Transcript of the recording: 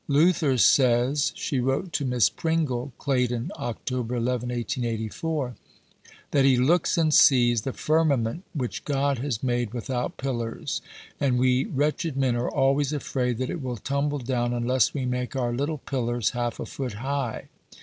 "Luther says," she wrote to Miss Pringle (Claydon, Oct. 11, 1884), "that he looks and sees the firmament which God has made without pillars, and we wretched men are always afraid that it will tumble down unless we make our little pillars half a foot high.